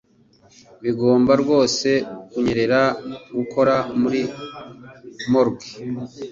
Bigomba rwose kunyerera gukora muri morgue